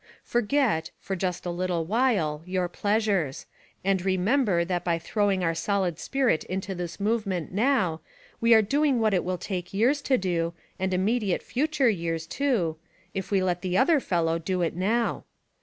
Forget — for just a little while, your pleasures; and remember: That by throwing our solid spirit into tJiis movement, now, we are doing what it will take years to do, and immediate future years, too — "if we let the other fellow do it now."